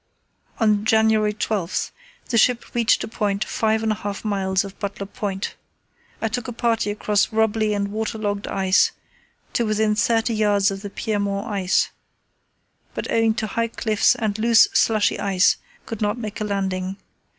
On January 12 the ship reached a point five and a half miles east of Butler Point. I took a party across rubbly and waterlogged ice to within thirty yards of the piedmont ice, but owing to high cliffs and loose slushy ice could not make a landing.